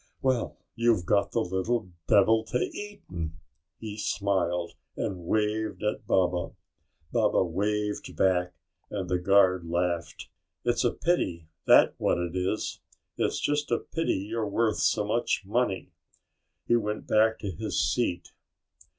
"Well, you've got the little devil to eatin'!" He smiled and waved at Baba. Baba waved back and the guard laughed. "It's a pity, that what it is. It's just a pity you're worth so much money!" He went back to his seat.